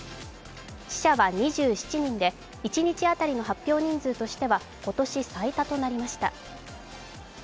死者は２７人で一日当たりの発表人数としては今年最多となりました。